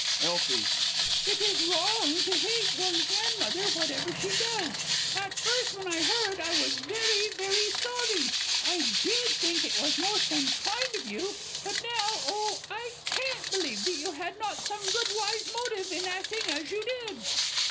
Elfie. It is wrong to hate one's Grandmother, whatever she does. At first when I heard, I was very, very sorry. I did think it was most unkind of you. But now, oh, I can't believe that you had not some good, wise motive, in acting as you did!